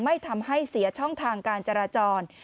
ไม่ทำให้เสียช่องทางการจราจร